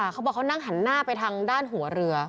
เขานั่งแผ่นหน้าไปทางด้านหัวเรือ